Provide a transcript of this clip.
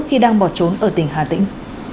khi đang bỏ trốn ở tỉnh hà tĩnh